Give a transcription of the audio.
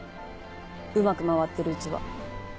うまく回ってるうちは。